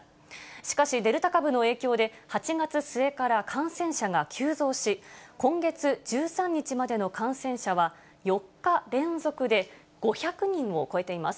しかし、デルタ株の影響で８月末から感染者が急増し、今月１３日までの感染者は４日連続で５００人を超えています。